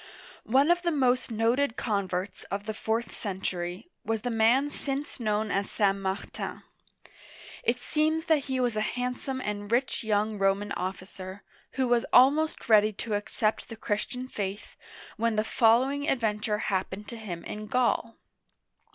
One of the most noted converts of the fourth century was the man since known as St. Martin. It seems that he was a handsome and rich young Roman officer, who was almost ready to accept the Christian faith, when the follow ing adventure happened to him in Gaul.